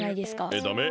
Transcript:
えっダメ？